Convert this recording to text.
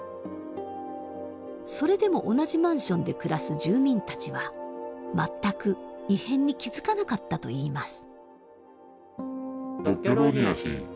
それでも同じマンションで暮らす住民たちは全く異変に気付かなかったといいます。